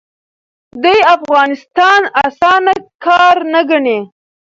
دوی افغانستان اسانه کار نه ګڼي.